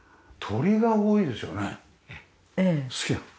好きなの？